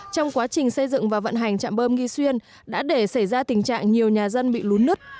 trong quá trình xây dựng và vận hành trạm bơm nghi xuyên đã để xảy ra tình trạng nhiều nhà dân bị lún nứt